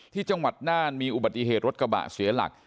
จังหวัดน่านมีอุบัติเหตุรถกระบะเสียหลัก